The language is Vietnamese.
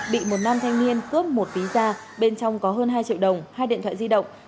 bị một nam thanh niên cướp một ví da bên trong có hơn hai triệu đồng hai điện thoại di động